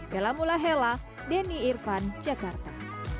dela mula hela denny irvan jakarta